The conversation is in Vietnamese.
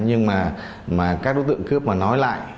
nhưng mà các đối tượng cướp mà nói lại